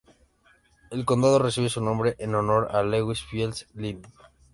El condado recibe su nombre en honor a Lewis Fields Linn.